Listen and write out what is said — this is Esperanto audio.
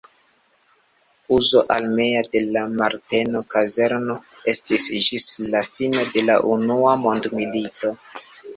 Uzo armea de la Marteno-kazerno estis ĝis la fino de la Unua mondmilito.